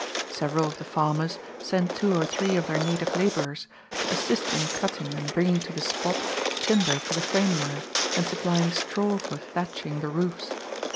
Several of the farmers sent two or three of their native labourers to assist in cutting and bringing to the spot timber for the framework and supplying straw for thatching the roofs.